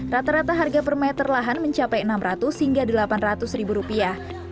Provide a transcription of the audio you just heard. rata rata harga per meter lahan mencapai enam ratus hingga delapan ratus ribu rupiah